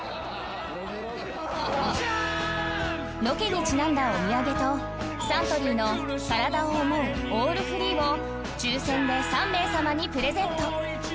［ロケにちなんだお土産とサントリーのからだを想うオールフリーを抽選で３名さまにプレゼント］